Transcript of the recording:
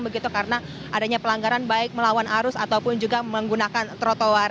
begitu karena adanya pelanggaran baik melawan arus ataupun juga menggunakan trotoar